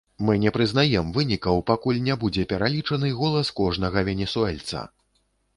Мы не прызнаем вынікаў, пакуль не будзе пералічаны голас кожнага венесуэльца!